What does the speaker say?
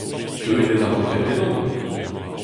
Deuit e darempred ganeomp !